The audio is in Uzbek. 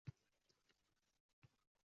ko‘rinib turar edi!